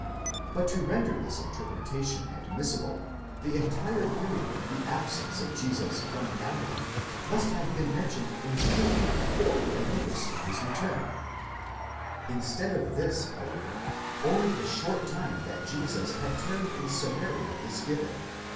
But to render this interpretation admissible, the entire period of the absence of Jesus from Galilee must have been mentioned immediately before the notice of his return ; instead of this, however, only the short time that Jesus had tarried in Samaria is given (v.